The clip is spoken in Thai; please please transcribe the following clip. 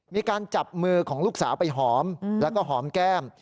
มีการจับมือของลูกสาวไปหอมแล้วก็หอมแก้ม